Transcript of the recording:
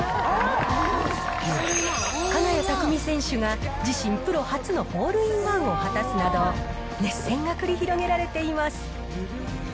金谷拓実選手が、自身プロ初のホールインワンを果たすなど、熱戦が繰り広げられています。